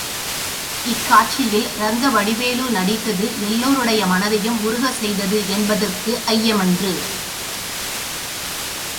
இக்காட்சியில் ரங்கவடிவேலு நடித்தது எல்லோருடைய மனத்தையும் உருகச் செய்தது என்பதற்கு ஐயமன்று.